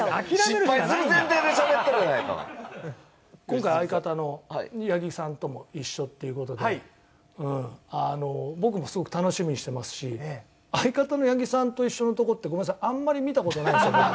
「今回相方の八木さんとも一緒っていう事でうんあの僕もすごく楽しみにしてますし相方の八木さんと一緒のとこってごめんなさいあんまり見た事ないんですよ僕」